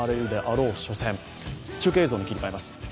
中継映像に切り替えます。